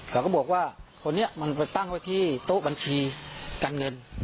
เขาก็บอกว่าคนนี้มันไปตั้งไว้ที่โต๊ะบัญชีการเงิน